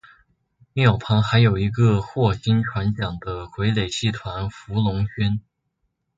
庙旁还有一个获薪传奖的傀儡戏团福龙轩。